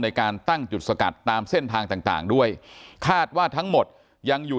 ในการตั้งจุดสกัดตามเส้นทางต่างด้วยคาดว่าทั้งหมดยังอยู่